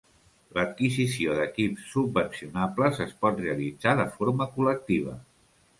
L'adquisició d'equips subvencionables es pot realitzar de forma col·lectiva.